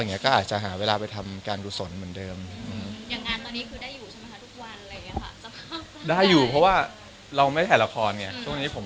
แบบนี้ก็อาจจะหาเวลาไปทำการรุสสนเหมือนเดิมอย่างงานตอนนี้คือได้อยู่ใช่ไหมคะ